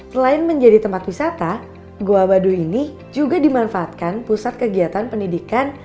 selain menjadi tempat wisata goa baduy ini juga dimanfaatkan pusat kegiatan pendidikan